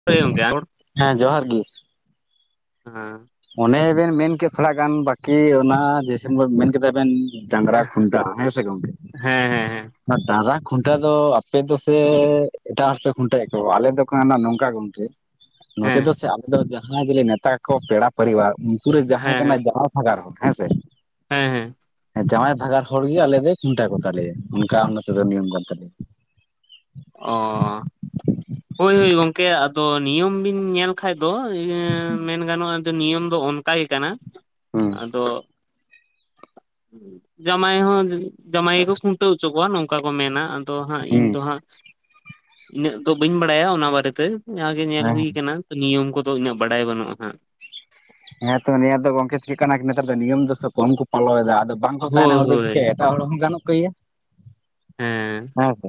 [inaudible] ᱦᱮᱸ ᱡᱚᱦᱟᱨ ᱜᱮ᱾ ᱦᱟᱸ ᱚᱱᱮ ᱵᱮᱱ ᱢᱮᱱ ᱠᱮᱫ ᱛᱷᱚᱲᱟ ᱜᱟᱱ ᱵᱟᱹᱠᱤ ᱚᱱᱟ ᱡᱮ ᱥᱮ ᱢᱮᱱ ᱠᱮᱫᱟ ᱵᱮᱱ ᱰᱟᱝᱨᱟ ᱦᱮᱸ ᱠᱷᱩᱱᱴᱟᱹᱣ ᱦᱮᱸ ᱥᱮ ᱜᱚᱝᱠᱮ? ᱦᱮᱸ ᱦᱮᱸ ᱦᱮᱸ ᱰᱟᱝᱨᱟ ᱠᱷᱩᱱᱴᱟᱹᱣ ᱫᱚ ᱟᱯᱮ ᱫᱚ ᱥᱮ ᱮᱴᱟᱜ ᱦᱚᱲ ᱯᱮ ᱠᱷᱩᱱᱴᱟᱹᱣᱮᱫ ᱠᱚᱣᱟ? ᱟᱞᱮ ᱫᱚ [unintelligible] ᱱᱚᱝᱠᱟ ᱜᱚᱝᱠᱮᱼᱼ ᱱᱚᱛᱮ ᱦᱮᱸ ᱫᱚ ᱥᱮ ᱟᱞᱮ ᱫᱚ ᱡᱟᱸᱦᱟᱭ ᱜᱮᱞᱮ ᱢᱮᱛᱟ ᱠᱚ ᱯᱮᱲᱟ ᱯᱟᱨᱤᱵᱟᱨ ᱩᱱᱠᱩ ᱨᱮ ᱡᱟᱸᱦᱟᱭ ᱠᱟᱱᱟ ᱦᱮᱸ ᱡᱟᱸᱣᱟᱭᱼᱼ [unintelligible] ᱦᱮᱸ ᱥᱮ᱾ ᱦᱮᱸ ᱦᱮᱸ᱾ ᱡᱟᱶᱟᱭ ᱵᱷᱟᱜᱟᱨ ᱦᱚᱲ ᱜᱮ ᱟᱞᱮ ᱫᱚᱭ ᱠᱷᱩᱱᱴᱟ ᱠᱚᱛᱟ ᱞᱮᱭᱟ ᱚᱱᱠᱟ ᱱᱚᱛᱮ ᱫᱚ ᱱᱤᱭᱚᱢ ᱠᱟᱱ ᱛᱟᱞᱮᱭᱟ᱾ ᱚ ᱦᱳᱭ ᱜᱚᱝᱠᱮ ᱟᱫᱚ ᱱᱤᱭᱚᱢ ᱵᱤᱱ ᱧᱮᱞᱼᱼ ᱠᱷᱟᱡ ᱫᱚ ᱢᱮᱱ ᱜᱟᱱᱚᱜᱼᱟ, ᱫᱚ ᱱᱤᱭᱚᱢ ᱫᱚ ᱚᱱᱠᱟ ᱜᱮ ᱠᱟᱱᱟ ᱦᱩᱸ ᱟᱫᱚᱼᱼ ᱡᱟᱢᱟᱭ ᱦᱚᱸ ᱡᱟᱢᱟᱭ ᱜᱮᱠᱚ ᱠᱷᱩᱱᱴᱟᱹᱣ ᱦᱚᱪᱚ ᱠᱚᱣᱟ ᱱᱚᱝᱠᱟ ᱠᱚ ᱢᱮᱱᱟ᱾ ᱛᱚ ᱦᱟᱸᱜ ᱦᱩᱸ ᱤᱧ ᱫᱚ ᱦᱟᱸᱜᱼᱼ ᱤᱱᱟᱹᱜ ᱫᱚ ᱵᱟᱹᱧ ᱵᱟᱲᱟᱭᱟ ᱚᱱᱟ ᱵᱟᱨᱮ ᱛᱮ ᱡᱟᱜᱮ ᱧᱮᱞ ᱦᱮᱸ ᱦᱩᱭ ᱠᱟᱱᱟ ᱱᱤᱭᱚᱢ ᱠᱚᱫᱚ ᱩᱱᱟᱹᱜ ᱵᱟᱰᱟᱭ ᱵᱟᱹᱱᱩᱜ ᱦᱟᱸᱜ᱾ ᱦᱮᱸ ᱛᱚ ᱱᱤᱭᱟᱹ ᱫᱚ ᱜᱚᱝᱠᱮ ᱪᱮᱫ ᱠᱟᱱᱟ ᱱᱮᱛᱟᱨ ᱫᱚ ᱱᱤᱭᱚᱢ ᱫᱚᱥᱮ ᱠᱚᱢ ᱠᱚ ᱯᱷᱚᱞᱚᱭᱮᱫᱟ ᱟᱫᱚᱼᱼ ᱵᱟᱝ ᱠᱚ ᱛᱟᱦᱮᱱᱟ ᱦᱳᱭ ᱦᱚᱲ ᱫᱚ ᱦᱳᱭ ᱪᱤᱠᱟᱹᱭᱟᱭ, ᱮᱴᱟᱜ ᱦᱚᱲ ᱦᱚᱸ ᱜᱟᱱᱚᱜ ᱜᱮᱭᱟ ᱦᱮᱸ ᱥᱮ᱾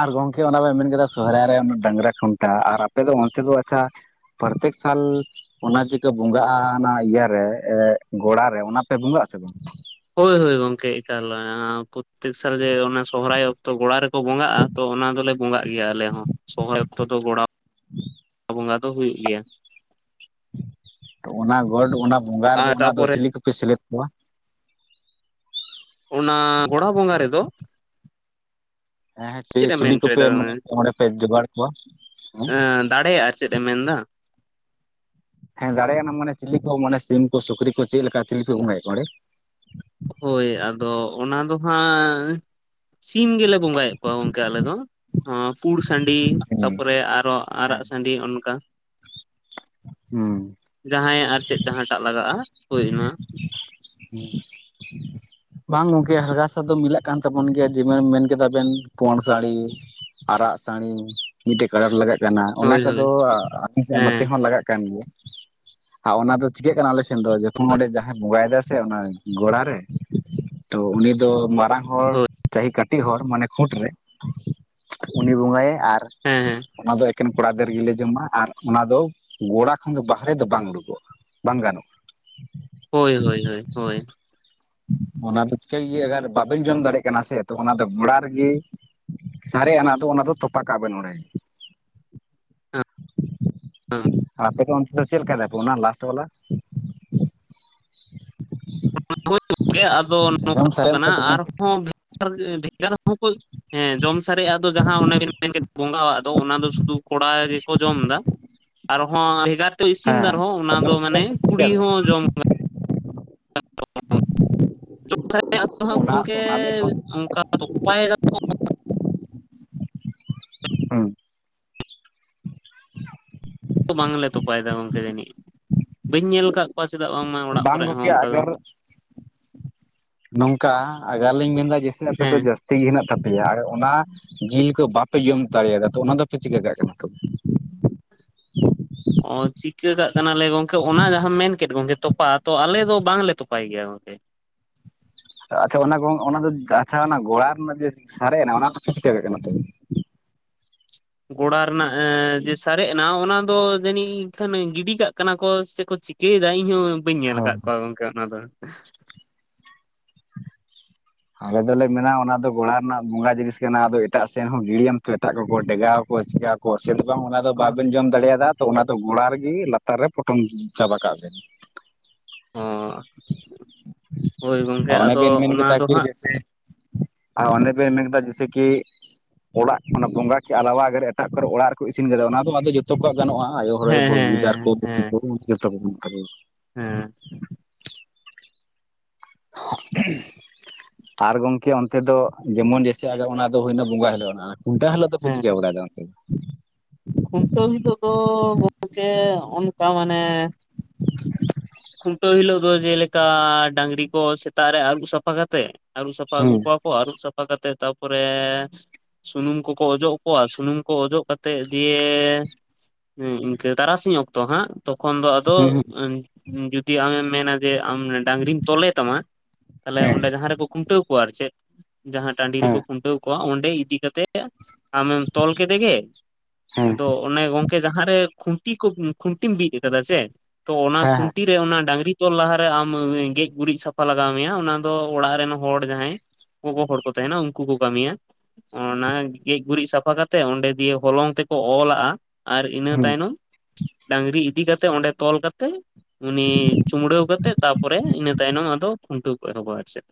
ᱟᱨ ᱜᱚᱝᱠᱮ ᱚᱱᱟ ᱵᱮᱱ ᱢᱮᱱ ᱠᱮᱫᱟ ᱥᱚᱨᱦᱟᱭ ᱨᱮ ᱰᱟᱝᱨᱟ ᱠᱷᱩᱱᱴᱟ ᱟᱨ ᱟᱯᱮ ᱫᱚ ᱚᱱᱛᱮ ᱫᱚ ᱟᱪᱪᱷᱟᱼᱼ ᱯᱨᱚᱛᱛᱮᱠ ᱥᱟᱞᱼᱼ ᱚᱱᱟ ᱡᱮ ᱯᱮ ᱵᱚᱸᱜᱟᱜᱼᱟ ᱚᱱᱟ ᱤᱭᱟ ᱨᱮ ᱜᱚᱲᱟ ᱨᱮ ᱚᱱᱟ ᱯᱮ ᱵᱚᱸᱜᱟᱜᱼᱟ ᱥᱮ ᱵᱟᱝ? ᱦᱳᱭ ᱦᱳᱭ ᱜᱚᱝᱠᱮ ᱮᱠᱟᱞ ᱯᱨᱚᱛᱮᱠ ᱥᱟᱞ ᱜᱮ ᱚᱱᱟ ᱥᱚᱨᱦᱟᱭ ᱚᱠᱛᱚ ᱜᱚᱲᱟ ᱨᱮᱼᱼ ᱠᱚ ᱵᱚᱸᱜᱟᱜᱼᱟ ᱛᱚ ᱚᱱᱟ ᱫᱚᱞᱮ ᱵᱚᱸᱜᱟᱜ ᱜᱮᱭᱟ ᱟᱞᱮ ᱦᱚᱸ ᱥᱚᱨᱦᱟᱭ ᱚᱠᱛᱚ ᱫᱚ ᱜᱚᱲᱟᱼᱼ [inaudible] ᱵᱚᱸᱜᱟ ᱫᱚ ᱦᱩᱭᱩᱜ ᱜᱮᱭᱟ᱾ ᱛᱚ ᱚᱱᱟ ᱜᱚᱰ ᱚᱱᱟ ᱵᱚᱸᱜᱟ ᱨᱮᱫᱚ ᱟᱨ ᱚᱱᱟ ᱫᱚ ᱛᱟᱯᱚᱨᱮ ᱪᱤᱞᱤ ᱠᱚᱯᱮ ᱥᱮᱞᱮᱫ ᱠᱚᱣᱟ? ᱚᱱᱟ ᱜᱚᱲᱟ ᱵᱚᱸᱜᱟ ᱨᱮᱫᱚ? ᱦᱮᱸ ᱪᱮᱫ ᱦᱮᱸ ᱮᱢ ᱪᱤᱞᱤ ᱢᱮᱱ ᱠᱚᱯᱮ ᱦᱚᱪᱚᱭᱮᱫᱟ ᱢᱟᱱᱮ ᱚᱸᱰᱮ ᱯᱮ ᱡᱚᱸᱜᱟᱲ ᱠᱚᱣᱟ ᱦᱩᱸ? ᱫᱟᱲᱮ ᱟᱨ ᱪᱮᱫ ᱮᱢ ᱢᱮᱱ ᱫᱟ? ᱦᱮᱸ ᱫᱟᱲᱮ ᱭᱮᱱᱟᱢ ᱢᱟᱱᱮ ᱪᱤᱞᱤ ᱠᱚ ᱢᱟᱱᱮ ᱥᱤᱢ ᱠᱚ ᱥᱩᱠᱨᱤ ᱠᱚ ᱪᱮᱫ ᱞᱮᱠᱟ ᱪᱤᱞᱤ ᱯᱮ ᱵᱚᱸᱜᱟᱭᱮᱫ ᱠᱚᱣᱟ ᱚᱸᱰᱮ? ᱦᱳᱭ ᱟᱫᱚ ᱚᱱᱟ ᱫᱚ ᱦᱟᱸᱜ ᱥᱤᱢ ᱜᱮᱞᱮ ᱵᱚᱸᱜᱟᱭᱮᱫ ᱠᱚᱣᱟ ᱜᱚᱝᱠᱮ ᱟᱞᱮ ᱫᱚ ᱯᱩᱲ ᱥᱟᱺᱰᱤ ᱥᱤᱢ ᱜᱮ᱾ ᱛᱟᱯᱚᱨᱮ ᱟᱨ ᱦᱚᱸ ᱟᱨᱟᱜ ᱦᱮᱸ ᱥᱟᱺᱰᱤ ᱚᱱᱠᱟ᱾ ᱦᱩᱸ ᱡᱟᱦᱟᱸᱭ ᱟᱨ ᱪᱮᱫ ᱡᱟᱦᱟᱸ ᱴᱟᱜ ᱞᱟᱜᱟᱜᱼᱟ, ᱦᱳᱭ ᱚᱱᱟ᱾ [unintelligible] ᱵᱟᱝ ᱜᱚᱝᱠᱮ [unintelligible] ᱫᱚ ᱢᱤᱞᱟᱜ ᱠᱟᱱ ᱛᱟᱵᱚᱱ ᱜᱮᱭᱟ ᱡᱮᱢᱚᱱ ᱵᱮᱱ ᱢᱮᱱ ᱠᱮᱫᱟ ᱵᱮᱱ ᱯᱩᱰ ᱥᱟᱺᱰᱤ᱾ ᱟᱨᱟᱜ ᱥᱟᱺᱰᱤ ᱢᱤᱫ ᱴᱮᱡ ᱠᱟᱞᱚᱴ ᱞᱟᱜᱟᱜ ᱠᱟᱱᱟ ᱚᱱᱟ ᱦᱳᱭ ᱦᱳᱭ ᱠᱚᱫᱚ ᱟᱞᱮ ᱥᱮᱫ ᱱᱚᱛᱮ ᱦᱮᱸ ᱦᱚᱸᱼᱼ ᱞᱟᱜᱟᱜ ᱠᱟᱱ ᱜᱮᱭᱟ, ᱟᱨ ᱚᱱᱟ ᱫᱚ ᱪᱤᱠᱟᱹᱜ ᱠᱟᱱᱟ ᱟᱞᱮ ᱥᱮᱱ ᱫᱚ ᱡᱚᱠᱷᱚᱱ ᱚᱸᱰᱮ ᱡᱟᱦᱟᱸᱼᱼ ᱵᱚᱸᱜᱟᱭᱮᱫᱟ ᱥᱮ ᱚᱱᱟ ᱜᱚᱲᱟ ᱨᱮ ᱛᱚ ᱩᱱᱤ ᱫᱚ ᱢᱟᱼᱼ ᱨᱟᱝ ᱦᱚᱲ ᱦᱳᱭ ᱪᱟᱦᱤ ᱠᱟᱹᱴᱤᱡ ᱦᱚᱲ ᱢᱟᱱᱮ ᱠᱷᱩᱸᱴ ᱨᱮ ᱩᱱᱤ ᱵᱚᱸᱜᱟᱭᱟ ᱟᱨᱼᱼ ᱦᱮᱸ ᱦᱮᱸ ᱚᱱᱟ ᱫᱚ ᱮᱠᱮᱱ ᱠᱚᱲᱟ ᱜᱤᱫᱟᱹᱨ ᱜᱮᱞᱮ ᱡᱚᱢᱟ ᱟᱨᱼᱼ ᱚᱱᱟ ᱫᱚ ᱜᱚᱲᱟ ᱠᱷᱚᱱ ᱫᱚ ᱵᱟᱦᱨᱮ ᱫᱚ ᱵᱟᱝ ᱩᱰᱩᱠᱚᱜ ᱵᱟᱝ ᱜᱟᱱᱚᱜᱼᱟ᱾ ᱦᱳᱭ ᱦᱳᱭ ᱦᱳᱭ ᱦᱳᱭ᱾ ᱚᱱᱟ ᱫᱚ ᱪᱤᱠᱟᱹ ᱜᱮ ᱟᱜᱟᱨ ᱵᱟᱵᱮᱱ ᱡᱚᱢ ᱫᱟᱲᱮᱜ ᱠᱟᱱᱟ ᱥᱮ ᱚᱱᱟ ᱫᱚ ᱜᱚᱲᱟ ᱨᱮᱜᱮᱼᱼ ᱥᱟᱨᱮᱡ ᱟᱱᱟᱜ ᱫᱚ ᱚᱱᱟ ᱫᱚ ᱛᱚᱯᱟ ᱠᱟᱜ ᱵᱮ ᱚᱸᱰᱮ᱾ ᱟᱯᱮ ᱫᱚ ᱚᱱᱛᱮ ᱫᱚ ᱪᱮᱫ ᱞᱮᱠᱟᱭ ᱫᱟᱯᱮ ᱚᱱᱟ ᱞᱟᱥᱴ ᱵᱟᱞᱟ? [inaudible] [unintelligible] ᱟᱫᱚ ᱡᱚᱢ ᱱᱚᱝᱠᱟ ᱥᱟᱨᱮᱡ ᱫᱚ ᱠᱟᱱᱟ ᱦᱮᱸ ᱟᱨᱦᱚᱸ ᱵᱷᱮᱜᱟᱨ ᱵᱷᱮᱜᱟᱨ ᱦᱚᱸᱠᱚ ᱦᱮᱸ ᱡᱚᱢ ᱥᱟᱨᱮᱡ ᱟᱜ ᱫᱚ ᱡᱟᱦᱟ ᱚᱱᱮ ᱵᱤᱱ ᱢᱮᱱ ᱠᱮᱫ ᱵᱚᱸᱜᱟᱣᱟᱜ ᱫᱚ ᱚᱱᱟ ᱫᱚ ᱥᱩᱫᱩ ᱠᱚᱲᱟ ᱜᱮᱠᱚ ᱡᱚᱢ ᱫᱟ। ᱟᱨ ᱦᱚᱸ ᱵᱷᱮᱜᱟᱨ ᱛᱮ ᱤᱥᱤᱱ ᱫᱟ ᱟᱨᱦᱚᱸ ᱚᱱᱟ ᱡᱚᱢ ᱫᱚ ᱥᱟᱨᱮᱡ ᱢᱟᱱᱮ ᱠᱩᱲᱤ ᱪᱤᱠᱟᱹᱭᱫᱟ ᱦᱚᱸ ᱡᱚᱢ ᱡᱚᱢ ᱥᱟᱨᱮᱡ ᱟᱜ ᱫᱚ ᱦᱟᱸᱜ ᱚᱱᱟ ᱜᱚᱝᱠᱮ ᱚᱱᱟ ᱫᱚ ᱚᱱᱠᱟ ᱛᱚᱯᱟᱭ ᱫᱚ ᱠᱚ ᱦᱩᱸ᱾ ᱵᱟᱝᱞᱮ ᱛᱚᱯᱟᱭᱮᱫᱟ ᱜᱚᱝᱠᱮ ᱡᱟᱹᱱᱤᱡ, ᱵᱟᱹᱧ ᱧᱮᱞ ᱟᱠᱟᱫ ᱠᱚᱣᱟ ᱪᱮᱫᱟᱜ ᱵᱟᱝᱢᱟ ᱚᱲᱟᱜ ᱵᱟᱝ ᱠᱚᱨᱮ ᱦᱚᱸ ᱜᱚᱝᱠᱮ ᱚᱱᱠᱟ ᱫᱚᱼᱼ ᱟᱜᱟᱨ ᱱᱚᱝᱠᱟ ᱟᱜᱟᱨ ᱞᱤᱧ ᱢᱮᱱᱫᱟ ᱡᱮᱭᱥᱮ ᱟᱯᱮ ᱫᱚ ᱦᱮᱸ ᱡᱟᱹᱥᱛᱤ ᱜᱮ ᱦᱮᱱᱟᱜ ᱛᱟᱯᱮᱭᱟ᱾ ᱚᱱᱟ ᱡᱤᱞ ᱠᱚ ᱵᱟᱯᱮ ᱡᱚᱢ ᱫᱟᱲᱮᱭᱟᱫᱟ ᱛᱚ ᱚᱱᱟ ᱫᱚᱯᱮ ᱪᱤᱠᱟᱹ ᱠᱟᱜ ᱠᱟᱱᱟ ᱛᱚᱼᱼ ᱚ ᱪᱤᱠᱟᱹ ᱠᱟᱜ ᱠᱟᱱᱟᱞᱮ ᱜᱚᱝᱠᱮ ᱚᱱᱟ ᱡᱟᱦᱟᱸᱟᱢ ᱢᱮᱱ ᱠᱮᱫ ᱜᱚᱝᱠᱮ ᱛᱚᱯᱟᱼᱼ ᱛᱚ ᱟᱞᱮ ᱫᱚ ᱵᱟᱝᱞᱮ ᱛᱚᱯᱟᱭ ᱜᱮᱭᱟ ᱜᱚᱝᱠᱮ᱾ ᱟᱪᱪᱷᱟ ᱚᱱᱟ ᱠᱚ ᱚᱱᱟ ᱫᱚ ᱟᱪᱪᱷᱟ ᱚᱱᱟ ᱜᱚᱲᱟ ᱨᱮᱱᱟᱜ ᱡᱮ ᱥᱟᱨᱮᱡ ᱮᱱᱟ ᱚᱱᱟ ᱫᱚ ᱪᱤᱠᱟᱹ ᱠᱟᱜ ᱠᱟᱱᱟ ᱛᱚᱵᱮ? ᱜᱚᱲᱟ ᱨᱮᱱᱟᱜ ᱡᱮ ᱥᱟᱨᱮᱡ ᱮᱱᱟ ᱚᱱᱟ ᱫᱚ ᱡᱟᱹᱱᱤᱡ ᱠᱷᱟᱱ ᱜᱤᱰᱤ ᱠᱟᱜ ᱠᱟᱱᱟ ᱠᱚ ᱥᱮᱠᱚ ᱪᱤᱠ ᱪᱤᱠᱟᱹᱭᱫᱟ ᱤᱧᱦᱚᱸ ᱵᱟᱹᱧ ᱧᱮᱞ ᱦᱳᱭ ᱠᱟᱜ ᱠᱚᱣᱟ ᱜᱚᱝᱠᱮ ᱚᱱᱟ ᱫᱚ? ᱟᱞᱮ ᱫᱚᱞᱮ ᱢᱮᱱᱟ ᱚᱱᱟ ᱫᱚ ᱜᱚᱲᱚ ᱨᱮᱱᱟᱜ ᱵᱚᱸᱜᱟ ᱡᱤᱱᱤᱥ ᱠᱟᱱᱟ ᱟᱫᱚ ᱮᱴᱟᱜ ᱥᱮᱱ ᱦᱚᱸ ᱜᱤᱲᱤᱭᱟᱢ ᱛᱚ ᱮᱴᱟᱜ ᱠᱚᱠᱚ ᱰᱮᱜᱟᱣ ᱟᱠᱚ ᱪᱮᱠᱟᱣᱟᱠᱚ? ᱠᱚᱥ ᱫᱚ ᱵᱟᱝ ᱚᱱᱟ ᱫᱚ ᱚ ᱵᱟᱵᱮᱱ ᱡᱚᱢ ᱫᱟᱲᱮᱭᱟᱫᱟ ᱛᱚ ᱚᱱᱟ ᱫᱚ ᱜᱚᱲᱟ ᱨᱮᱜᱮ ᱞᱟᱛᱟᱨ ᱨᱮ ᱯᱚᱴᱚᱢ ᱪᱟᱵᱟ ᱠᱟᱜ ᱵᱮᱱ᱾ ᱦᱚᱸ ᱦᱳᱭ ᱜᱚᱝᱠᱮ ᱟᱫᱚ ᱚᱱᱟ ᱫᱚ ᱦᱟᱸᱜ ᱥᱮ, ᱟᱨ ᱚᱸᱰᱮ ᱯᱮ ᱢᱮᱱ ᱠᱮᱫᱟ ᱡᱮᱭᱥᱮ ᱠᱤ ᱚᱲᱟᱜ ᱚᱱᱟ ᱵᱚᱸᱜᱟ ᱠᱮᱜ-ᱟ [unintelligible] ᱮᱴᱟᱜ ᱠᱚᱨᱮ ᱚᱲᱟᱜ ᱨᱮᱠᱚ ᱤᱥᱤᱱ ᱠᱮᱫᱟ ᱚᱱᱟ ᱫᱚ ᱟᱫᱚ ᱡᱚᱛᱚ ᱠᱚᱣᱟᱜ ᱜᱟᱱᱚᱜᱼᱟ᱾ ᱟᱭᱳ ᱦᱚᱲ ᱦᱮᱸ ᱦᱮᱸ ᱠᱚ ᱦᱮᱸ [unintelligible] ᱦᱮᱸ [unintelligible] ᱟᱨ ᱜᱚᱝᱠᱮ ᱚᱱᱛᱮ ᱫᱚ ᱡᱮᱢᱚᱱ ᱡᱮᱭᱥᱮ ᱟ ᱚᱱᱟ ᱦᱩᱭᱱᱟ ᱵᱚᱸᱜᱟ ᱦᱤᱞᱳᱜ ᱨᱮᱱᱟᱜ, ᱠᱷᱩᱱᱴᱟᱹ ᱦᱤᱞᱳᱜ? ᱫᱚ ᱯᱮ ᱦᱮᱸ ᱪᱤᱠᱟᱹ ᱵᱟᱲᱟᱭᱫᱟ ᱚᱱᱛᱮ ᱫᱚ? ᱠᱷᱩᱱᱴᱟᱹᱣ ᱦᱤᱞᱳᱜ ᱫᱚ ᱜᱚᱝᱠᱮ ᱚᱱᱠᱟ ᱢᱟᱱᱮ ᱠᱷᱩᱱᱴᱟᱹᱣ ᱦᱤᱞᱳᱜ ᱫᱚ ᱡᱮᱞᱮᱠᱟ ᱰᱟᱸᱜᱽᱨᱤ ᱠᱚ ᱥᱮᱛᱟᱜ ᱨᱮ ᱟᱹᱨᱩᱵ ᱥᱟᱯᱷᱟ ᱠᱟᱛᱮ, ᱟᱹᱨᱩᱵ ᱥᱟᱯᱷᱟ ᱟᱹᱜᱩ ᱦᱩᱸ ᱠᱚᱣᱟ ᱠᱚᱣᱟ, ᱟᱹᱨᱩᱵ ᱥᱟᱯᱷᱟ ᱠᱟᱛᱮᱜ ᱛᱟᱨᱯᱚᱨᱮ ᱥᱩᱱᱩᱢ ᱠᱚᱠᱚ ᱚᱡᱚᱜᱠᱚᱣᱟ, ᱥᱩᱱᱩᱢ ᱠᱚ ᱚᱡᱚᱜ ᱠᱟᱛᱮᱜ ᱫᱤᱭᱮ ᱤᱱᱠᱟᱹ ᱛᱟᱨᱟᱥᱤᱧ ᱚᱠᱛᱚ ᱦᱟᱸᱜ ᱛᱚᱠᱷᱚᱱ ᱫᱚ ᱟᱫᱚ ᱦᱩᱸ ᱡᱩᱫᱤ ᱟᱢᱮᱢ ᱢᱮᱱᱟ ᱡᱮ ᱟᱢ ᱰᱟᱝᱨᱤᱢ ᱛᱚᱞᱮ ᱛᱟᱢᱟ ᱛᱟᱦᱞᱮ ᱦᱮᱸ ᱚᱸᱰᱮ ᱡᱟᱦᱟᱸ ᱨᱮᱠᱚ ᱠᱷᱩᱱᱴᱟᱹᱣ ᱠᱚᱣᱟ ᱟᱨ ᱪᱮᱫ ᱡᱟᱦᱟᱸ ᱴᱟᱺᱰᱤ ᱦᱮᱸ ᱨᱮᱠᱚ ᱠᱷᱩᱱᱴᱟᱹᱣ ᱚᱸᱰᱮ ᱤᱫᱤ ᱠᱟᱛᱮᱜ ᱟᱢᱮᱢ ᱛᱚᱞ ᱠᱮᱫᱮ ᱜᱮ᱾ ᱦᱮᱸ ᱦᱮᱸ ᱟᱫᱚ ᱚᱱᱮ ᱜᱚᱝᱠᱮ ᱡᱟᱦᱟᱸᱨᱮ ᱠᱷᱩᱱᱴᱤ ᱠᱚ ᱠᱷᱩᱱᱴᱤᱢ ᱵᱤᱫ ᱟᱠᱟᱫᱟ ᱥᱮ, ᱛᱚ ᱚᱱᱟ ᱦᱮᱸ ᱠᱷᱩᱱᱴᱤ ᱜᱮ ᱚᱱᱟ ᱰᱟᱝᱨᱤ ᱛᱚᱞ ᱞᱟᱦᱟᱨᱮ ᱟᱢ ᱜᱮᱡ ᱜᱩᱨᱤᱡ ᱥᱟᱯᱷᱟ ᱞᱟᱜᱟᱣ ᱢᱮᱭᱟ ᱚᱱᱟ ᱫᱚ ᱚᱲᱟᱜ ᱨᱮᱱ ᱦᱚᱲ ᱡᱟᱦᱟᱸᱭ ᱜᱚᱜᱚ ᱦᱚᱲ ᱠᱚ ᱛᱟᱦᱮᱱᱟ ᱩᱱᱠᱩ ᱠᱚ ᱠᱟᱹᱢᱤᱭᱟ, ᱚᱱᱟ ᱜᱮᱡ ᱜᱩᱨᱤᱡ ᱥᱟᱯᱷᱟ ᱠᱟᱛᱮᱜ ᱚᱸᱰᱮ ᱫᱤᱭᱮ ᱦᱚᱞᱚᱝ ᱛᱮᱠᱚ ᱚᱞᱟᱜ-ᱟ ᱟᱨ ᱤᱱᱟᱹ ᱦᱩᱸ ᱛᱟᱭᱱᱚᱢ ᱰᱟᱝᱨᱤ ᱤᱫᱤ ᱠᱟᱛᱮ ᱚᱸᱰᱮ ᱛᱚᱞ ᱠᱟᱛᱮᱜ ᱩᱱᱤ ᱪᱩᱢᱲᱟᱹᱣ ᱠᱟᱛᱮᱜ ᱛᱟᱨᱯᱚᱨᱮ ᱤᱱᱟᱹ ᱛᱟᱭᱱᱚᱢ ᱟᱫᱚ ᱠᱷᱩᱱᱴᱟᱹᱣ ᱠᱚ ᱮᱦᱚᱵᱟ ᱟᱨ ᱪᱮᱫ᱾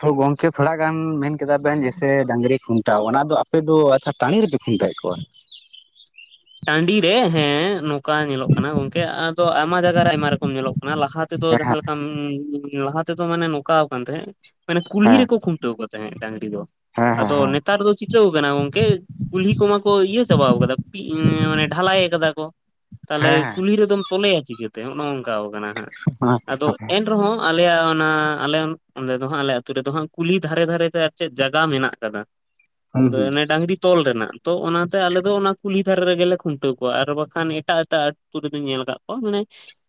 ᱛᱚ ᱜᱚᱝᱠᱮ ᱛᱷᱚᱲᱟ ᱜᱟᱱ ᱢᱮᱱ ᱠᱮᱫᱟ ᱵᱮᱱ ᱡᱮᱭᱥᱮ ᱰᱟᱹᱝᱨᱤ ᱠᱷᱩᱱᱴᱟᱹᱣ, ᱚᱱᱟ ᱫᱚ ᱟᱯᱮ ᱫᱚ ᱟᱪᱪᱷᱟ ᱴᱟᱸᱰᱤ ᱨᱮᱯᱮ ᱠᱷᱩᱱᱴᱟᱹᱣᱮᱫ ᱠᱚᱣᱟ? ᱴᱟᱸᱰᱤ ᱨᱮ ᱦᱮᱸ, ᱱᱚᱝᱠᱟ ᱧᱮᱞᱚᱜ ᱠᱟᱱᱟ ᱜᱚᱝᱠᱮ ᱟᱫᱚ ᱟᱭᱢᱟ ᱡᱟᱭᱜᱟ ᱨᱮ ᱟᱭᱢᱟ ᱨᱚᱠᱚᱢ ᱧᱮᱞᱚᱜ ᱠᱟᱱᱟ ᱞᱟᱦᱟ ᱛᱮᱫᱚ ᱦᱮᱸ ᱦᱮᱸ ᱡᱟᱦᱟᱸ ᱞᱮᱠᱟᱢ ᱞᱟᱦᱟ ᱛᱮᱫᱚ ᱢᱟᱱᱮ ᱱᱚᱝᱠᱟᱣ ᱠᱟᱱ ᱛᱟᱦᱮᱸᱜ, ᱢᱟᱱᱮ ᱠᱩᱞᱦᱤ ᱦᱮᱸ ᱦᱮᱸ ᱨᱮᱠᱚ ᱠᱷᱩᱱᱴᱟᱹᱣ ᱠᱚ ᱛᱟᱦᱮᱸᱫ ᱰᱟᱹᱝᱨᱤ ᱫᱚ᱾ ᱟᱫᱚ ᱦᱮᱸ ᱱᱮᱛᱟᱨ ᱫᱚ ᱪᱤᱠᱟᱹᱣ ᱠᱟᱱᱟ ᱜᱚᱝᱠᱮ ᱠᱩᱞᱦᱤ ᱠᱚ ᱢᱟᱠᱚ ᱤᱭᱟᱹ ᱪᱟᱵᱟᱣ ᱠᱟᱫᱟ ᱢᱟᱱᱮ ᱰᱷᱟᱞᱟᱭ ᱠᱟᱫᱟ ᱠᱚ, ᱦᱮᱸ ᱦᱮᱸ ᱛᱟᱦᱞᱮ ᱠᱩᱞᱦᱤ ᱨᱮᱫᱚᱢ ᱛᱚᱞᱮᱭᱟ ᱪᱤᱠᱟᱹᱛᱮ ᱱᱚᱜ-ᱚ ᱱᱚᱝᱠᱟᱣ ᱠᱟᱱᱟ᱾ ᱦᱮᱸ ᱟᱫᱚ ᱮᱱᱨᱮᱦᱚᱸ ᱟᱞᱮᱭᱟᱜ ᱚᱱᱟ ᱟᱞᱮ ᱚᱸᱰᱮ ᱫᱚ ᱦᱟᱸᱜ ᱟᱞᱮ ᱟᱛᱳ ᱨᱮᱫᱚ ᱦᱟᱸᱜ ᱠᱩᱞᱦᱤ ᱫᱷᱟᱨᱮ ᱫᱷᱟᱨᱮᱛᱮ ᱟᱨ ᱪᱮᱫ ᱡᱟᱭᱜᱟ ᱢᱮᱱᱟᱜ ᱠᱟᱫᱟ᱾ ᱦᱩᱸ ᱟᱫᱚ ᱦᱩᱸ ᱚᱱᱮ ᱰᱟᱝᱨᱤ ᱛᱚᱞ ᱨᱮᱱᱟᱜ ᱛᱚ ᱚᱱᱟᱛᱮ ᱟᱞᱮ ᱫᱚ ᱚᱱᱟ ᱠᱩᱞᱦᱤ ᱫᱷᱟᱨᱮ ᱨᱮᱜᱮᱞᱮ ᱠᱷᱩᱱᱴᱟᱹᱣ ᱠᱚᱣᱟ ᱟᱨ ᱵᱟᱠᱷᱟᱱ ᱮᱴᱟᱜ ᱮᱴᱟᱜ ᱟᱹᱛᱩ ᱨᱮᱫᱚᱧ ᱧᱮᱞ ᱟᱠᱟᱫ ᱠᱚᱣᱟ ᱢᱟᱱᱮ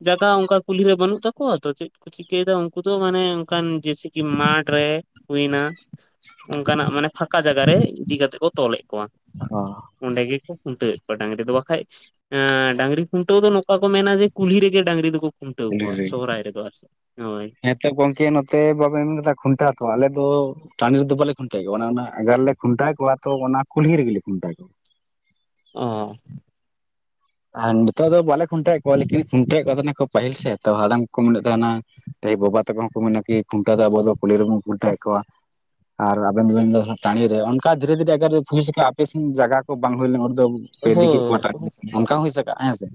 ᱡᱟᱭᱜᱟ ᱚᱝᱠᱟ ᱠᱩᱞᱦᱤᱨᱮ ᱵᱟᱹᱱᱩᱜ ᱛᱟᱠᱚᱣᱟ ᱛᱚ ᱪᱮᱫ ᱠᱚ ᱪᱤᱠᱟᱹᱭᱫᱟ ᱩᱱᱠᱩ ᱫᱚ ᱢᱟᱱᱮ ᱚᱝᱠᱟᱱ ᱡᱮᱭᱥᱮ ᱠᱤ ᱢᱟᱴᱷ ᱨᱮ ᱦᱩᱭᱱᱟ ᱚᱝᱠᱟᱱᱟᱜ ᱢᱟᱱᱮ ᱯᱷᱟᱸᱠᱟ ᱡᱟᱭᱜᱟ ᱨᱮ ᱤᱫᱤ ᱠᱟᱛᱮᱜ ᱠᱚ ᱛᱚᱞᱮᱫ ᱠᱚᱣᱟ᱾ ᱚ ᱚᱸᱰᱮ ᱜᱮᱠᱚ ᱠᱷᱩᱱᱴᱟᱹᱣᱮᱫ ᱠᱚᱣᱟ ᱰᱟᱹᱝᱨᱤ ᱫᱚ᱾ ᱵᱟᱠᱷᱟᱡ ᱮᱸᱻ ᱰᱟᱝᱨᱤ ᱠᱷᱩᱱᱴᱟᱹᱣ ᱫᱚ ᱱᱚᱝᱠᱟ ᱠᱚ ᱢᱮᱱᱟ ᱡᱮ ᱠᱩᱞᱦᱤ ᱨᱮᱜᱮ ᱰᱟᱝᱨᱤ ᱫᱚ ᱠᱷᱩᱱᱴᱟᱹᱣ ᱠᱚᱣᱟ ᱥᱚᱦᱨᱟᱭ ᱨᱮᱫᱚ ᱟᱨ ᱪᱮᱫ ᱦᱳᱭ᱾ ᱟᱪᱪᱷᱟ, ᱜᱚᱝᱠᱮ ᱱᱚᱛᱮ ᱵᱟᱵᱮᱱ ᱢᱮᱱᱫᱟ ᱠᱷᱩᱱᱴᱟᱹᱣ ᱠᱚᱣᱟ ᱟᱞᱮ ᱫᱚ ᱴᱟᱸᱰᱤ ᱨᱮᱫᱚ ᱵᱟᱞᱮ ᱠᱷᱩᱱᱴᱟᱹᱣᱮᱫ ᱠᱚᱣᱟ, ᱢᱟᱱᱮ ᱚᱱᱟ ᱟᱜᱟᱨᱮᱞᱮ ᱠᱷᱩᱱᱴᱟᱹᱣ ᱠᱚᱣᱟ ᱛᱚ ᱚᱱᱟ ᱠᱩᱞᱦᱤ ᱨᱮᱜᱮᱞᱮ ᱠᱷᱩᱱᱴᱟᱹᱣ ᱠᱚᱣᱟ᱾ ᱚ ᱟᱨ ᱱᱤᱛᱳᱜ ᱫᱚ ᱵᱟᱞᱮ ᱠᱷᱩᱱᱴᱟᱹᱣᱮᱫ ᱠᱚᱣᱟ ᱞᱮᱠᱤᱱ ᱠᱷᱩᱱᱴᱟᱹᱣᱮᱫ ᱠᱚ ᱛᱟᱦᱮᱱᱟ ᱠᱚ ᱯᱟᱹᱦᱤᱞ ᱥᱮᱫ ᱛᱚ ᱦᱟᱲᱟᱢ ᱠᱚ ᱠᱚ ᱢᱮᱱᱮᱫ ᱛᱟᱦᱮᱱᱟ᱾ ᱮᱻ ᱵᱟᱵᱟ ᱛᱟᱠᱚ ᱦᱚᱸᱠᱚ ᱢᱮᱱᱟ ᱠᱤ ᱠᱷᱩᱱᱴᱟᱹᱣ ᱫᱚ ᱟᱵᱚ ᱫᱚ ᱠᱩᱞᱦᱤ ᱨᱮᱵᱚᱱ ᱠᱷᱩᱱᱴᱣᱮᱫ ᱠᱚᱣᱟ᱾ ᱟᱨ ᱟᱵᱮᱱ ᱫᱚᱵᱮᱱ ᱢᱮᱱᱫᱟ ᱴᱸᱟᱰᱤᱨᱮ, ᱚᱱᱠᱟ ᱫᱷᱤᱨᱮ ᱫᱷᱤᱨᱮ ᱮᱠᱟᱨ ᱠᱩᱞᱦᱤ ᱥᱮᱫ ᱟᱯᱮᱥᱮᱫ ᱡᱟᱭᱜᱟ ᱠᱚ ᱵᱟᱝ ᱦᱩᱭ ᱞᱮᱱᱟ ᱚᱸᱰᱮ ᱫᱚ ᱯᱮ ᱤᱫᱤ ᱠᱮᱫ ᱠᱚᱣᱟ ᱮᱴᱟᱜ ᱦᱳᱭ ᱰᱤᱥᱴᱤᱠ ᱚᱱᱠᱟ ᱦᱩᱭ ᱥᱟᱜᱼᱟ ᱦᱮᱸ ᱥᱮ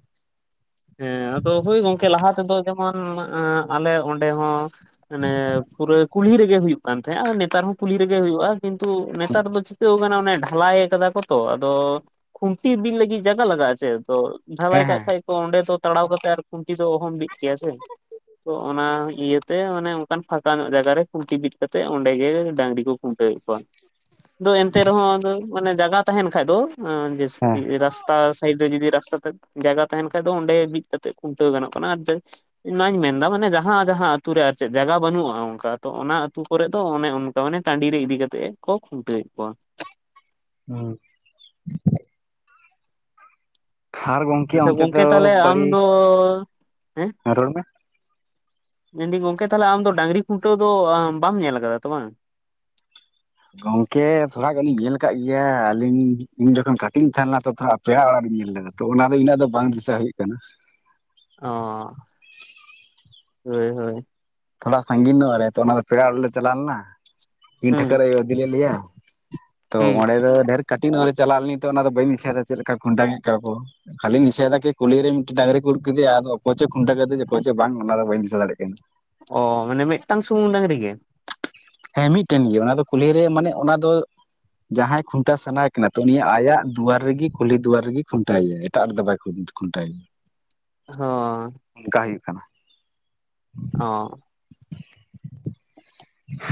ᱦᱮᱸ ᱟᱫᱚ ᱦᱳᱭ ᱜᱚᱝᱠᱮ ᱞᱟᱦᱟ ᱛᱮᱫᱚ ᱡᱮᱢᱚᱱ ᱟᱞᱮ ᱚᱸᱰᱮ ᱦᱚᱸ ᱢᱟᱱᱮ ᱯᱩᱨᱟᱹ ᱠᱩᱞᱦᱤ ᱨᱮᱜᱮ ᱦᱩᱭᱩᱜ ᱠᱟᱱ ᱛᱟᱦᱮᱸᱜ-ᱟ ᱱᱮᱛᱟᱨ ᱦᱚᱸ ᱠᱩᱞᱦᱤ ᱨᱮᱜᱮ ᱦᱩᱭᱩᱜᱼᱟ ᱠᱤᱱᱛᱩ ᱱᱮᱛᱟᱨ ᱫᱚ ᱪᱷᱩᱴᱟᱹᱣ ᱠᱟᱱᱟ ᱚᱱᱮ ᱰᱷᱟᱞᱟᱭ ᱠᱟᱫᱟ ᱠᱚ ᱛᱚ ᱟᱫᱚ ᱠᱷᱩᱱᱴᱤ ᱵᱤᱫ ᱞᱟᱹᱜᱤᱫ ᱡᱟᱭᱜᱟ ᱞᱟᱜᱟᱜᱼᱟ ᱪᱮ ᱛᱚ ᱰᱷᱟᱞᱟᱭ ᱦᱮᱸ ᱠᱟᱜ ᱦᱮᱸ ᱠᱷᱟᱡ ᱠᱚ ᱚᱸᱰᱮ ᱫᱚ ᱛᱟᱲᱟᱣ ᱠᱟᱛᱮ ᱟᱨ ᱠᱷᱩᱱᱴᱤ ᱫᱚ ᱚᱦᱚᱢ ᱵᱤᱫ ᱠᱮᱭᱟ ᱥᱮ ᱛᱚ ᱚᱱᱟ ᱤᱭᱟᱹᱛᱮ ᱚᱱᱮ ᱚᱱᱠᱟᱱ ᱯᱷᱟᱸᱠᱟ ᱧᱚᱜ ᱡᱟᱭᱜᱟ ᱨᱮ ᱠᱷᱩᱱᱴᱤ ᱵᱤᱫ ᱠᱟᱛᱮ ᱚᱸᱰᱮ ᱜᱮ ᱰᱟᱝᱨᱤ ᱠᱩ ᱠᱷᱩᱱᱴᱟᱹᱣᱮᱫ ᱠᱚᱣᱟ, ᱛᱚ ᱠᱚᱣᱟ ᱟᱫᱚ ᱮᱱᱛᱮ ᱨᱮᱦᱚᱸ ᱢᱟᱱᱮ ᱡᱟᱜᱟ ᱛᱟᱦᱮᱸᱱ ᱠᱷᱟᱡ ᱫᱚ ᱨᱟᱥᱛᱟ ᱥᱟᱭᱤᱰ ᱨᱮ ᱡᱩᱫᱤ ᱨᱟᱥᱛᱟ ᱛᱮᱫ ᱡᱟᱭᱜᱟ ᱛᱟᱦᱮᱸᱱ ᱠᱷᱟᱡ ᱫᱚ ᱚᱸᱰᱮ ᱵᱤᱫ ᱠᱟᱛᱮᱫ ᱠᱷᱩᱱᱴᱟᱹᱣ ᱜᱟᱱᱚᱜ ᱠᱟᱱᱟ ᱟᱨ ᱪᱮᱫ, ᱚᱱᱟᱧ ᱢᱮᱱᱫᱟ ᱢᱟᱱᱮ ᱡᱟᱦᱟᱸ ᱡᱟᱦᱟᱸ ᱟᱹᱛᱩ ᱨᱮ ᱟᱨ ᱪᱮᱫ ᱡᱟᱭᱜᱟ ᱵᱟᱹᱱᱩᱜᱼᱟ ᱚᱱᱠᱟ ᱛᱚ ᱚᱱᱟ ᱟᱹᱛᱩ ᱠᱚᱨᱮ ᱫᱚ ᱚᱱᱮ ᱚᱱᱠᱟ ᱢᱟᱱᱮ ᱴᱟᱺᱰᱤ ᱨᱮ ᱤᱫᱤ ᱠᱟᱛᱮᱜ ᱠᱚ ᱠᱷᱩᱱᱴᱟᱹᱣ ᱮᱫ ᱠᱚᱣᱟ ᱦᱩᱸ ᱟᱨ ᱟᱪᱪᱷᱟ ᱚᱱᱛᱮ ᱜᱚᱝᱠᱮ ᱫᱚ ᱛᱟᱦᱞᱮ ᱟᱢ ᱫᱚ ᱦᱮᱸ ᱨᱚᱲ ᱢᱮ ᱢᱮᱱᱫᱤᱧ ᱜᱚᱢᱠᱮ ᱛᱟᱦᱞᱮ ᱟᱢ ᱫᱚ ᱰᱟᱝᱨᱤ ᱠᱷᱩᱱᱴᱟᱹᱣ ᱫᱚ ᱵᱟᱢ ᱧᱮᱞ ᱟᱠᱟᱫᱟ ᱛᱚ ᱵᱟᱝ, ᱜᱚᱢᱠᱮ ᱛᱷᱚᱲᱟ ᱜᱟᱱ ᱤᱧ ᱧᱮᱞ ᱠᱟᱜ ᱜᱮᱭᱟ ᱟᱹᱞᱤᱧ ᱤᱧ ᱡᱚᱠᱷᱚᱱ ᱠᱟᱹᱴᱤᱡ ᱤᱧ ᱛᱟᱦᱮᱸ ᱞᱮᱱᱟ ᱛᱚ ᱛᱷᱚᱲᱟ ᱯᱮᱲᱟ ᱚᱲᱟᱜ ᱨᱤᱧ ᱧᱮᱞ ᱞᱮᱫᱟ ᱛᱚ ᱚᱱᱟ ᱫᱚ ᱤᱱᱟᱹᱜ ᱫᱚ ᱵᱟᱝ ᱫᱤᱥᱟᱹ ᱦᱩᱭᱩᱜ ᱠᱟᱱᱟ, ᱚᱻ ᱦᱳᱭ ᱦᱳᱭ ᱛᱷᱚᱲᱟ ᱥᱺᱜᱤᱱ ᱱᱚᱜ ᱨᱮ ᱛᱚ ᱚᱱᱟ ᱫᱚ ᱯᱮᱲᱟ ᱚᱲᱟᱜ ᱨᱮ ᱪᱟᱞᱟᱣ ᱞᱮᱱᱟ ᱤᱱ ᱦᱩᱸ ᱴᱷᱟᱹᱠᱟᱹᱨ ᱟᱭᱳ ᱤᱫᱤ ᱞᱮᱫ ᱞᱮᱭᱟ ᱛᱚ ᱦᱩᱸ ᱚᱸᱰᱮ ᱫᱚ ᱰᱷᱮᱨ ᱠᱟᱹᱴᱤᱡ ᱧᱚᱜ ᱪᱟᱞᱟᱣ ᱞᱤᱱᱤᱧ ᱛᱚ ᱛᱱᱟᱫᱚ ᱵᱟᱹᱧ ᱫᱤᱥᱤᱭᱮᱫᱟ ᱪᱮᱫ ᱞᱮᱠᱟ ᱠᱷᱩᱱᱴᱟᱹ ᱠᱮᱫ ᱠᱚᱣᱟ ᱠᱚ ᱠᱷᱟᱹᱞᱤᱧ ᱫᱤᱥᱟᱹᱭᱮᱫᱟ ᱠᱤ ᱠᱩᱞᱤᱨᱮ ᱢᱤᱫᱴᱮᱱ ᱰᱟᱝᱨᱤ ᱠᱚ ᱩᱰᱩᱠ ᱠᱮᱫᱮᱭᱟ ᱟᱫᱚ ᱚᱠᱚᱭ ᱪᱚ ᱠᱷᱩᱱᱴᱣ ᱠᱮᱫᱮ ᱚᱠᱚᱭ ᱪᱚ ᱵᱟᱝ ᱚᱱᱟ ᱫᱚ ᱵᱟᱹᱧ ᱫᱤᱥᱟ ᱫᱟᱲᱮᱜ ᱠᱟᱱᱟ, ᱚ ᱢᱟᱱᱮ ᱢᱤᱫᱴᱟᱝ ᱥᱩᱢᱩᱝ ᱰᱟᱝᱨᱤ ᱜᱮ ᱦᱮᱸ ᱢᱤᱫᱴᱮᱱ ᱜᱮ ᱚᱱᱟ ᱫᱚ ᱠᱩᱞᱦᱤ ᱨᱮ ᱢᱟᱱᱮ ᱚᱱᱟ ᱫᱚ ᱡᱟᱦᱟᱸᱭ ᱠᱷᱩᱱᱴᱟ ᱥᱟᱱᱟᱭᱮ ᱠᱟᱱᱟ ᱛᱚ ᱩᱱᱤ ᱟᱭᱟᱜ ᱫᱩᱣᱟᱨ ᱨᱮᱜᱮ ᱠᱩᱞᱦᱤ ᱫᱩᱣᱟᱨ ᱨᱮᱜᱮ ᱠᱷᱩᱱᱴᱟᱭᱮᱭᱟ ᱮᱴᱟᱜ ᱨᱮᱫᱚ ᱵᱟᱭ ᱠᱷᱩᱱᱴᱟ, ᱠᱷᱩᱱᱴᱟᱭᱮ ᱦᱚᱸ ᱚᱱᱠᱟ ᱦᱩᱭᱩᱜ ᱠᱟᱱᱟ ᱚ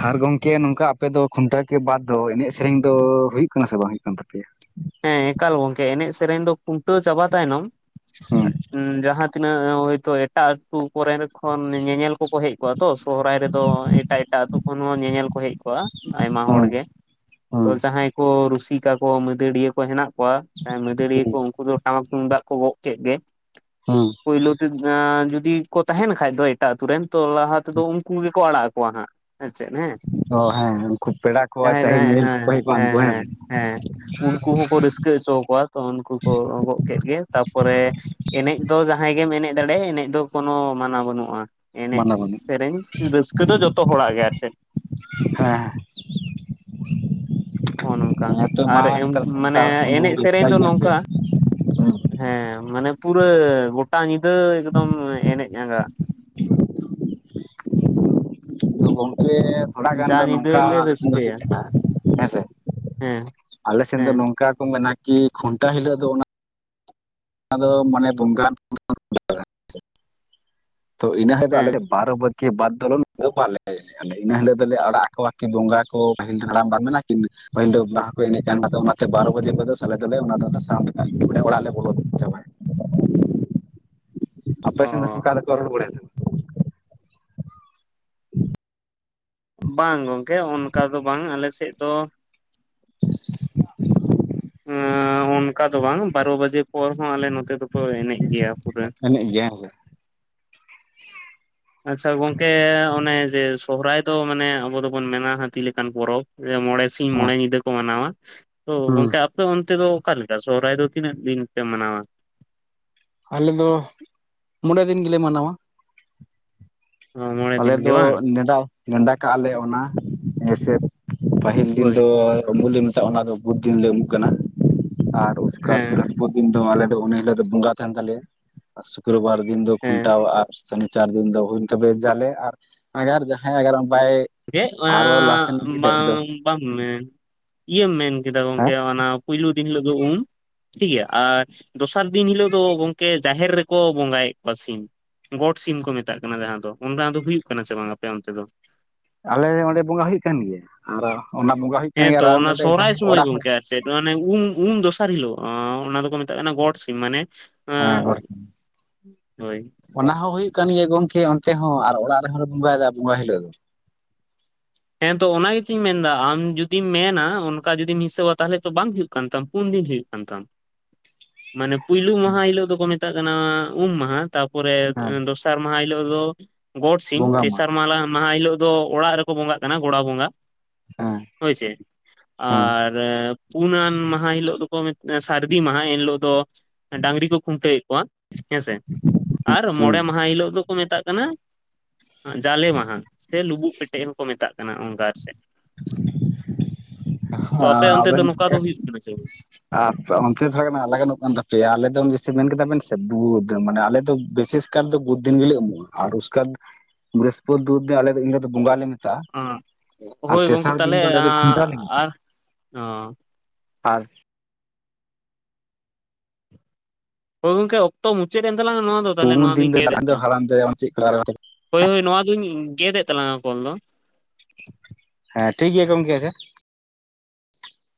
ᱟᱨ ᱜᱚᱢᱠᱮ ᱱᱚᱝᱠᱟ ᱟᱯᱮ ᱫᱚ ᱠᱷᱩᱱᱴᱟᱹᱣ ᱠᱮ ᱵᱟᱫ ᱫᱚ ᱮᱱᱮᱡ ᱥᱮᱨᱮᱧ ᱫᱚ ᱦᱩᱭᱩᱜ ᱠᱟᱱᱟ ᱥᱮ ᱵᱟᱝ ᱦᱩᱭᱩᱜ ᱠᱟᱱ ᱛᱟᱯᱮᱭᱟ, ᱦᱮᱸ ᱮᱠᱟᱞ ᱜᱚᱝᱠᱮ ᱮᱱᱮᱡ ᱥᱮᱨᱮᱧ ᱫᱚ ᱠᱷᱩᱱᱴᱟᱹᱣ ᱪᱟᱵᱟ ᱛᱟᱭᱱᱚᱢ, ᱦᱮᱸ ᱦᱩᱸ ᱡᱟᱦᱟᱸ ᱛᱤᱱᱟᱹᱜ ᱦᱚᱭᱛᱚ ᱮᱴᱟᱜ ᱟᱹᱛᱩ ᱠᱚᱨᱮᱱ, ᱠᱷᱚᱱ ᱧᱮᱧᱮᱞ ᱠᱚᱠᱚ ᱦᱮᱡ ᱠᱚᱜᱼᱟ ᱛᱚ ᱥᱚᱦᱚᱨᱟᱭ ᱨᱮᱫᱚ ᱮᱴᱟᱜ ᱮᱴᱟᱜ ᱟᱛᱩ ᱠᱷᱚᱱ ᱦᱚᱸ ᱧᱮᱧᱮᱞ ᱠᱚ ᱦᱮᱡ ᱠᱚᱜᱼᱟ, ᱟᱭᱢᱟ ᱦᱮᱸ ᱦᱚᱲᱜᱮ ᱛᱚ ᱦᱮᱸ ᱡᱟᱦᱟᱸᱭ ᱠᱚ ᱨᱩᱥᱤᱠᱟ ᱠᱚ ᱢᱟᱹᱫᱟᱹᱲᱤᱭᱟᱹ ᱠᱚ ᱦᱮᱱᱟᱜ ᱠᱚᱣᱟ ᱢᱟᱹᱫᱟᱹᱲᱤᱭᱟᱹ ᱠᱚ ᱩᱱᱠᱩ ᱫᱚ ᱴᱟᱢᱟᱠ ᱛᱩᱢᱫᱟᱜ ᱠᱚ ᱜᱚᱜ ᱠᱮᱫ ᱜᱮ, ᱦᱩᱸ ᱯᱩᱭᱞᱳ ᱛᱮ ᱟᱸ ᱡᱩᱫᱤ ᱠᱚ ᱛᱟᱦᱮᱸᱱ ᱠᱷᱟᱡ ᱫᱚᱭ ᱮᱴᱟᱜ ᱟᱛᱳ ᱨᱮᱱ ᱛᱚ ᱞᱟᱦᱟ ᱛᱮᱫᱚ ᱩᱱᱠᱩ ᱜᱮᱠᱚ ᱟᱲᱟᱜ ᱟᱠᱚᱣᱟ ᱦᱟᱸᱜ, ᱟᱨ ᱪᱮᱫ ᱦᱮᱸ ᱚ ᱦᱮᱸ ᱩᱱᱠᱩ ᱯᱮᱲᱟ ᱠᱚ ᱡᱟᱦᱟᱸᱭ ᱪᱟᱦᱮ ᱡᱟᱦᱟᱸᱭ ᱧᱮᱧᱮᱞ ᱦᱮᱸ ᱠᱚᱠᱚ ᱦᱮᱡ ᱠᱚᱜᱼᱟ ᱦᱮᱸ ᱩᱱᱠᱩ ᱦᱮᱸ ᱥᱮ ᱦᱮᱸ ᱩᱱᱠᱩ- ᱩᱱᱠᱩ ᱦᱚᱸᱠᱚ ᱨᱟᱹᱥᱠᱟᱹ ᱦᱚᱪᱚ ᱟᱠᱚ ᱠᱚᱣᱟ ᱛᱚ ᱩᱱᱠᱩ ᱠᱚ ᱟᱸᱜᱚᱵ ᱠᱮᱫ ᱜᱮ ᱛᱟᱯᱚᱨᱮ ᱮᱱᱮᱡ ᱫᱚ ᱡᱟᱦᱟᱸᱭ ᱜᱮᱢ ᱮᱱᱮᱡ ᱫᱟᱲᱮ ᱮᱱᱮᱡ ᱫᱚ ᱠᱳᱱᱳ ᱢᱟᱱᱟ ᱵᱟᱹᱱᱩᱜ-ᱟ ᱮᱱᱮᱡ ᱢᱟᱱᱟᱣ ᱵᱟᱹᱱᱩᱜ ᱥᱮᱨᱮᱧ ᱨᱟᱹᱥᱠᱟᱹ ᱫᱚ ᱡᱚᱛᱚ ᱦᱚᱲᱟᱜ ᱜᱮ ᱟᱨ ᱪᱮ ᱦᱮᱸ ᱱᱚᱜ-ᱚ ᱱᱚᱝᱠᱟ ᱱᱤᱛᱚᱜ ᱢᱟ ᱟᱨ ᱱᱮᱛᱟᱨ ᱢᱟᱱᱮ ᱥᱟᱱᱛᱟᱲ ᱦᱚᱯᱚᱱ ᱫᱚᱵᱚᱱ ᱮᱱᱮᱡ ᱥᱮᱨᱮᱧ ᱨᱟᱹᱥᱠᱟᱹᱭ ᱫᱚ ᱜᱮᱭᱟ ᱥᱮ ᱱᱚᱝᱠᱟ ᱦᱮᱸ ᱢᱟᱱᱮ ᱯᱩᱨᱟᱹ ᱜᱚᱴᱟ ᱧᱤᱫᱟᱹ ᱮᱠᱫᱚᱢ ᱮᱱᱮᱡ ᱟᱸᱜᱟ᱾ ᱛᱚ ᱜᱚᱢᱠᱮ- ᱛᱷᱚᱲᱟ ᱜᱟᱱ ᱡᱟ ᱫᱚ ᱧᱤᱫᱟᱹ ᱱᱚᱝᱠᱟ ᱞᱮ ᱟᱞᱮ ᱥᱮᱱ ᱫᱚ ᱦᱩᱭᱩᱜ ᱨᱟᱹᱥᱠᱟᱹᱭᱟ ᱠᱟᱱᱟ ᱦᱮᱸ ᱥᱮ, ᱦᱮᱸ ᱟᱞᱮ ᱥᱮᱱ ᱫᱚ ᱦᱮᱸ ᱱᱚᱝᱠᱟ ᱢᱮᱱᱟ ᱠᱤ ᱠᱷᱩᱱᱴᱟ ᱦᱤᱞᱳᱜ ᱫᱚ ᱚᱱᱟ ᱚᱱᱟ ᱫᱚ ᱢᱟᱱᱮ ᱵᱚᱸᱜᱟ [inaudible] ᱛᱚ ᱤᱱᱟᱹ ᱦᱤᱞᱚᱜ ᱟᱞᱮ, ᱦᱮᱸ ᱵᱟᱨ ᱵᱠᱤ ᱵᱫᱚᱞ [unintelligible] ᱤᱱᱟᱹᱤᱞᱳᱜ ᱫᱚᱞᱮᱲᱟᱜ ᱠᱚᱣᱟ ᱠᱤ ᱵᱚᱸᱜᱟ ᱠᱚ ᱯᱟᱹᱤᱞ ᱫᱚ ᱦᱟᱲᱟᱢ ᱵᱟ ᱢᱮᱱᱟᱜᱼᱟ ᱠᱤ ᱯᱟᱹᱦᱤᱞ ᱫᱚ ᱵ ᱠᱚ ᱮᱱᱮᱡ ᱠᱟᱱ ᱛᱮ ᱵᱟᱨᱚ ᱵᱟᱡᱮ ᱠᱷ ᱫᱚ ᱟᱞᱮ ᱫᱚᱞ ᱚᱱᱟ ᱫᱚ ᱫᱥ ᱞᱮᱮ ᱚᱲᱟᱜ ᱞᱮ ᱵᱚᱞᱚᱟ ᱡᱟᱵᱟᱭᱮᱱᱟ ᱟᱯᱮ ᱥᱮᱱ ᱫᱚ ᱚ ᱚᱱᱠᱟ ᱫᱚ ᱨᱚᱲ ᱵᱟᱲᱟ ᱥᱮ ᱵᱟᱝ? ᱵᱟᱝ ᱜᱚᱝᱠᱮ ᱚᱱᱠᱟ ᱫᱚ ᱵᱟᱝ ᱟᱞᱮ ᱥᱮᱫ ᱫᱚ [unintelligible] ᱚᱱᱠᱟ ᱫᱚ ᱵᱟᱝ ᱵᱟᱨᱚ ᱵᱟᱡᱮ ᱯᱚᱨ ᱦᱚᱸ ᱟᱞᱮ ᱱᱚᱛᱮ ᱫᱚᱠᱚ ᱮᱱᱮᱡ ᱜᱮᱭᱟ ᱯᱩᱨᱟᱹ ᱵᱟᱝ ᱮᱱᱮᱡ ᱜᱮ ᱦᱮᱸ ᱥᱮ ᱟᱪᱪᱷᱟ ᱜᱚᱝᱠᱮ ᱚᱱᱮ ᱡᱮᱼᱼ ᱥᱚᱦᱨᱟᱭ ᱫᱚ ᱢᱟᱱᱮ ᱟᱵᱚ ᱫᱚᱵᱚᱱ ᱢᱮᱱᱟ ᱦᱟᱹᱛᱤ ᱞᱮᱠᱟᱱ ᱯᱚᱨᱚᱵᱽ ᱢᱚᱬᱮ ᱥᱤᱧ ᱦᱮᱸ ᱢᱚᱬᱮ ᱧᱤᱫᱟᱹ ᱠᱚ ᱢᱟᱱᱟᱣᱟ ᱛᱚ ᱦᱩᱸ ᱜᱚᱝᱠᱮ ᱟᱯᱮ ᱚᱱᱛᱮ ᱫᱚ ᱚᱠᱟᱞᱮᱠᱟ ᱥᱚᱦᱚᱨᱟᱭ ᱫᱚ ᱛᱤᱱᱟᱹᱜ ᱫᱤᱱ ᱯᱮ ᱢᱟᱱᱟᱣᱟ ᱟᱞᱮ ᱫᱚ ᱢᱚᱬᱮ ᱫᱤᱱ ᱜᱮᱞᱮ ᱢᱟᱱᱟᱣᱟ᱾ ᱢᱚᱬᱮ ᱟᱞᱮ ᱫᱤᱱ ᱜᱮ ᱵᱟᱝ ᱫᱚ ᱱᱮᱰᱟᱼᱼ ᱱᱮᱰᱟ ᱠᱟᱜᱼᱟ ᱞᱮ ᱚᱱᱟ ᱦᱮᱸᱥᱮ ᱯᱟᱹᱦᱤᱞ ᱫᱤᱱ ᱦᱳᱭ ᱫᱚ ᱩᱢᱩᱞᱮ ᱢᱮᱛᱟᱜᱼᱟ ᱚᱱᱟ ᱫᱚ ᱵᱚᱦᱩᱫᱤᱱ ᱞᱮ ᱩᱢᱩᱜ ᱠᱟᱱᱟ ᱟᱨ ᱩᱥᱠᱼᱼ ᱦᱮᱸ ᱫᱤᱱ ᱫᱚ ᱟᱞᱮ ᱫᱚ ᱩᱱ ᱦᱤᱞᱳᱜ ᱫᱚ ᱵᱚᱸᱜᱟ ᱛᱟᱦᱮᱱ ᱛᱟᱞᱮᱭᱟ ᱟᱨ ᱥᱩᱠᱨ ᱵᱟᱨ ᱫᱤᱱ ᱫᱚ ᱦᱮᱸ ᱠᱷᱩᱱᱴᱟᱣ ᱟ ᱟᱨᱼᱼ ᱥᱟᱱᱤ ᱪᱟᱨ ᱫᱤᱱ ᱫᱚ ᱦᱩᱭ ᱛᱚᱵᱮ ᱡᱟᱞᱮ ᱟᱨ ᱟᱜ ᱡᱟᱦᱟᱸᱭ ᱟᱜᱟᱨ ᱵᱟᱭᱼᱼ ᱚᱱᱟ [unintelligible] ᱵᱟᱢ ᱢᱮᱱ ᱤᱭᱟᱹᱢ ᱢᱮᱱ ᱠᱮᱫᱟ ᱦᱮᱸ ᱜᱚᱝᱠᱮ ᱚᱱᱟ ᱯᱩᱭᱞᱩ ᱫᱤᱱ ᱦᱤᱞᱳ ᱫᱚ ᱩᱢ ᱴᱷᱤᱠᱜᱮᱭᱟ ᱟᱨ ᱫᱚᱥᱟᱨ ᱫᱤᱱ ᱦᱤᱞᱳᱜ ᱫᱚ ᱜᱚᱢᱠᱮ ᱡᱟᱦᱮᱨ ᱨᱮᱠᱚ ᱵᱚᱸᱜᱟᱭᱮᱫ ᱠᱚᱣᱟ ᱥᱤᱢ ᱜᱚᱴ ᱥᱤᱢ ᱠᱚ ᱢᱮᱛᱟᱜ ᱠᱟᱱᱟ ᱡᱟᱦᱟᱸ ᱫᱚ ᱚᱱ ᱫᱚ ᱦᱩᱭᱩᱜ ᱠᱟᱱᱟ ᱥᱮ ᱵᱟᱝ ᱟᱯᱮ ᱚᱱᱛᱮ ᱫᱚ ᱟᱞᱮ ᱚᱸᱰᱮ ᱵᱚᱸᱜᱟ ᱦᱩᱭᱩᱜ ᱠᱟᱱ ᱜᱮᱭᱟ ᱟᱨᱚ ᱚᱱᱟ ᱵᱚᱸᱜᱟ ᱦᱩᱭᱩᱜ ᱠᱟᱱ ᱜᱮᱭᱟ ᱨᱟᱱᱰᱮ ᱡᱟᱦᱟᱸᱭ ᱚᱲᱟᱜ ᱦᱚᱲᱼᱼ ᱢᱮ ᱩᱢ ᱩᱢ ᱫᱚᱥᱟᱨ ᱦᱤᱞᱳᱜ ᱚᱱᱟ ᱫᱚᱠᱚ ᱢᱮᱛᱟᱜ ᱠᱟᱱᱟ ᱜᱚᱴ ᱥᱤᱢ ᱢᱟᱱᱮ ᱦᱮᱸ ᱮᱸ ᱦᱳᱭ ᱚᱱᱟ ᱦᱚᱸ ᱦᱩᱭᱩᱜ ᱠᱟᱱ ᱜᱮᱭᱟ ᱜᱚᱢᱠᱮ ᱚᱱᱛᱮ ᱦᱚᱸ ᱟᱨ ᱚᱲᱟᱜ ᱨᱮᱦᱚᱸᱞᱮ ᱵᱚᱸᱜᱟᱭᱟ ᱵᱚᱸᱜᱟ ᱦᱤᱞᱳᱜ ᱫᱚ ᱦᱮᱸ ᱛᱚ ᱚᱱᱟ ᱜᱮᱛᱚᱧ ᱢᱮᱱᱫᱟ ᱟᱢ ᱡᱩᱫᱤᱢ ᱢᱮᱱᱟ ᱚᱱᱠᱟ ᱡᱩᱫᱤᱢ ᱦᱤᱥᱟᱹᱣᱟ ᱛᱟᱦᱚᱞᱮ ᱛᱚ ᱵᱟᱝ ᱦᱩᱭᱩᱜ ᱛᱟᱢ ᱯᱩᱱ ᱫᱤᱱ ᱦ ᱠᱟᱱᱛᱟᱢ ᱢᱟᱱᱮ ᱯᱳᱭᱞᱳ ᱢᱟᱦᱟ ᱦᱤᱞᱳᱜ ᱫᱚᱠᱚ ᱢᱮᱛᱟᱜ ᱠᱟᱱᱟ ᱩᱢ ᱢᱟᱦᱟ ᱛᱟᱯᱚᱨᱮ ᱦᱮᱸ ᱫᱚᱥᱟᱨᱼᱼ ᱛᱮᱥᱟᱨ ᱢᱟᱦᱟ ᱦᱤᱞᱳᱜ ᱫᱚ ᱜᱚᱴ ᱥᱤᱢ ᱵᱚᱸᱜᱟ ᱢᱟ ᱛᱮᱥᱟᱨ ᱢᱟᱦ ᱢᱟᱦᱟ ᱦᱤᱞᱳᱜ ᱫᱚ ᱚᱲᱟᱜ ᱨᱮᱠᱚ ᱵᱚᱸᱜᱟᱜ ᱠᱟᱱᱟ ᱛ ᱜᱚᱲᱟ ᱵᱚᱝᱜᱟ ᱦᱸ ᱦᱳᱭ ᱥᱮ ᱟᱨ ᱯᱩᱱᱟᱱ ᱢᱟᱦᱟ ᱦᱤᱞᱳᱜ ᱫᱚᱠᱚ ᱢᱮᱼᱟ ᱥᱟᱹᱨᱫᱤ ᱢᱟᱦᱟ ᱮᱱ ᱦᱤᱞᱳᱜ ᱫᱚ ᱰᱟᱝᱨᱤ ᱠᱚ ᱠᱷᱩᱱᱴᱟᱹᱣᱮᱫ ᱠᱚᱣᱟ ᱦᱮᱸᱥᱮ ᱟᱨ ᱦᱩᱸ ᱢᱚᱬᱮ ᱢᱟᱦᱟ ᱦᱤᱞᱳᱜ ᱫᱚᱼᱼ ᱠᱚ ᱢᱮᱛᱟᱜ ᱠᱟᱱᱟ ᱡᱟᱞᱮ ᱢᱟᱦᱟ ᱥᱮ ᱞᱩᱵᱩᱜ ᱯᱮᱴᱮᱡ ᱦᱚᱸᱠᱚ ᱢᱮᱛᱟᱜ ᱠᱟᱱᱟ ᱚᱱᱜᱟᱨ ᱥᱮᱫ ᱛᱚ ᱟᱯᱮ ᱟ- ᱚᱱᱛᱮ ᱫᱚ ᱟᱵᱮᱱ ᱥᱮ ᱱᱚᱝᱠᱟ ᱫᱚ ᱦᱩᱭᱩᱜ ᱠᱟᱱᱟ ᱥᱮ ᱟᱨ ᱚᱱᱛᱮ ᱛᱷᱚᱲᱟᱟᱱ ᱞᱟᱜ ᱜᱟᱱᱚᱜ ᱠᱟᱱ ᱛᱟᱯᱮᱭᱟ ᱟᱞᱮ ᱫᱚ ᱡᱥᱮ ᱢᱮᱱ ᱠᱮᱫᱟ ᱵᱮᱱ ᱥᱮ ᱵᱩᱫ ᱢᱟᱱᱮ ᱟᱞᱮ ᱫᱚ ᱵᱮᱥᱼᱼ ᱮᱥᱠᱟᱨ ᱫᱚ ᱵᱩᱫᱤᱱ ᱜᱮᱞᱮ ᱮᱢᱚᱜᱼᱟ ᱟᱨ ᱩᱥᱠᱟᱨ ᱵᱨᱤᱦᱚᱥᱯᱚᱛ [unintelligible] ᱫ ᱟᱞᱮ ᱫᱚ ᱵᱚᱸᱜᱟ ᱞᱮᱼᱼ ᱵᱟᱝ ᱟᱨ ᱦᱳᱭ ᱜᱚᱝᱠᱮ ᱛᱮᱥᱟᱨ ᱫᱤᱱ ᱛᱟᱦᱚᱞᱮ ᱫᱚ ᱚᱸᱰᱮ ᱫᱚ ᱠᱷᱩᱱᱴᱟᱹᱣ ᱞᱮ ᱢᱮᱛᱟᱜᱼᱟ ᱟᱨ ᱟᱨ ᱦᱳᱭ ᱜᱚᱝᱠᱮ ᱚᱠᱛᱚ ᱢᱩᱪᱟᱹᱫ ᱮᱱ ᱛᱟᱞᱟᱝᱟ ᱱᱚᱣᱟ ᱫᱚ ᱛᱟᱦᱞᱮ ᱯᱩᱱ ᱱᱚᱣᱟ ᱫᱤᱱ ᱫᱚᱧ ᱫᱚ ᱜᱮᱫᱮᱫ ᱦᱟᱲᱟᱢ ᱫᱚ ᱛᱟᱞᱟᱝ ᱦᱟᱲᱟᱢ ᱫᱟᱭᱟ ᱪᱮᱫ ᱠᱚ ᱟᱨ ᱦᱳᱭ ᱦᱳᱭ ᱱᱚᱣᱟ ᱫᱚᱧ ᱜᱮᱫ ᱮᱫ ᱛᱟᱞᱟᱝᱟ ᱠᱚᱞ ᱫᱚ᱾ ᱦᱮᱸ ᱴᱷᱤᱠ ᱜᱮᱭᱟ ᱜᱚᱝᱠᱮ ᱟᱪᱷᱟ ᱾